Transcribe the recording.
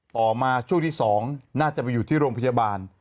ต่อมาช่วงที่๒น่าจะไปอยู่ที่โรงพยาบาล